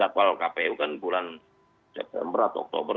kalau kpu kan bulan september atau oktober dua ribu dua puluh tiga